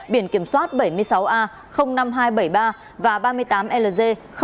biển kiểm soát bảy mươi sáu a năm nghìn hai trăm bảy mươi ba và ba mươi tám lg ba trăm năm mươi bốn